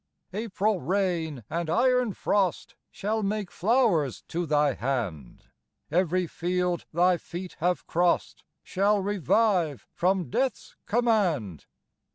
"April rain and iron frost Shall make flowers to thy hand; Every field thy feet have crossed Shall revive from death's command.